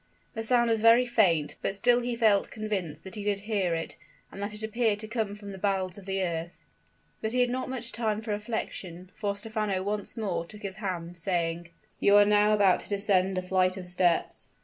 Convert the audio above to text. The sound was very faint: but still he felt convinced that he did hear it, and that it appeared to come from the bowels of the earth. But he had not much time for reflection; for Stephano once more took his hand, saying, "You are now about to descend a flight of steps."